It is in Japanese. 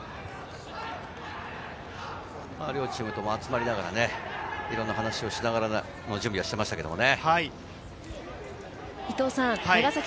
両チームとも集まりながら、いろいろな話をしながら準備していましたね。